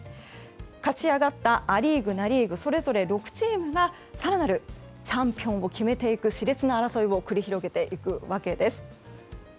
勝ち上がったア・リーグ、ナ・リーグそれぞれ６チームが更なるチャンピオンを決めていく熾烈な争いを繰り広げていくわけです。